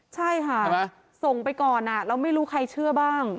ใช่ค่ะส่งไปก่อนเราไม่รู้ใครเชื่อบ้าง